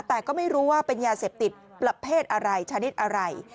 แต่ก็ไม่รู้ว่าเป็นยาเสพติดประเภทอะไรชนิดอะไร